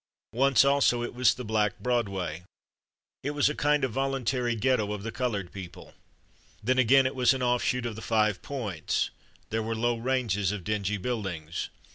Once, also, it was the Black Broadway. It was a kind of voluntary Ghetto of the colored people. Then, again, it was an offshoot of the Five Points. There were low ranges of dingy buildings.